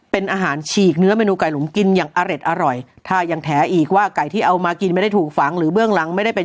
เป็นอาหารฉีกเนื้อเมนูไก่หลุมกินอย่างอร็ดอร่อยถ้ายังแถอีกว่าไก่ที่เอามากินไม่ได้ถูกฝังหรือเบื้องหลังไม่ได้เป็น